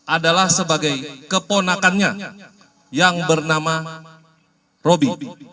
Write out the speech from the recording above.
adalah sebagai keponakannya yang bernama roby